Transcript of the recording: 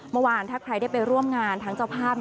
เมื่อวานถ้าใครได้ไปร่วมงานทั้งเจ้าภาพ